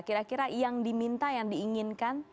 kira kira yang diminta yang diinginkan